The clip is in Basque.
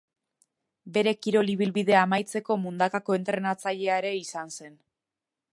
Bere kirol ibilbidea amaitzeko Mundakako entrenatzailea ere izan zen.